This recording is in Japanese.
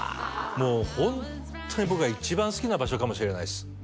もうホントに僕が一番好きな場所かもしれないです